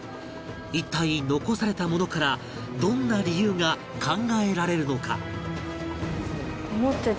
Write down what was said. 一体残されたものからどんな理由が考えられるのか？